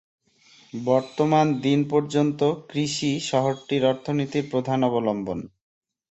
বর্তমান দিন পর্যন্ত কৃষি শহরটির অর্থনীতির প্রধান অবলম্বন।